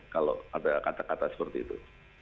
kalau ada kata kata seperti itu